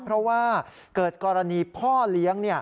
เพราะว่าเกิดกรณีพ่อเลี้ยง